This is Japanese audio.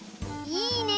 いいね！